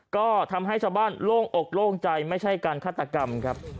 ก็ทำให้ชาวบ้านโล่งอกโล่งใจไม่ใช่การฆาตกรรมครับ